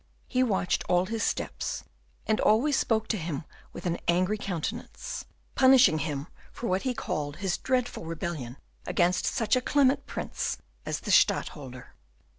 He watched all his steps, and always spoke to him with an angry countenance; punishing him for what he called his dreadful rebellion against such a clement prince as the Stadtholder.